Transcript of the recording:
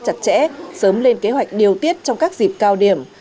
chặt chẽ sớm lên kế hoạch điều tiết trong các dịp cao điểm